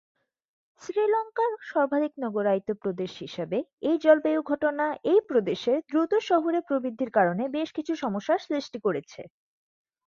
শ্রীলঙ্কার সর্বাধিক নগরায়িত প্রদেশ হিসাবে, এই জলবায়ু ঘটনা এই প্রদেশের দ্রুত শহুরে প্রবৃদ্ধির কারণে বেশ কিছু সমস্যার সৃষ্টি করেছে।